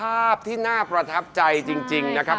ภาพที่น่าประทับใจจริงนะครับ